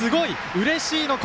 うれしいの声。